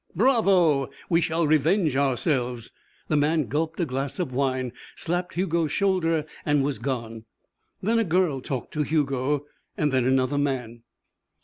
"Bravo! We shall revenge ourselves." The man gulped a glass of wine, slapped Hugo's shoulder, and was gone. Then a girl talked to Hugo. Then another man.